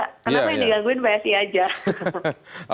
kenapa yang digangguin psi aja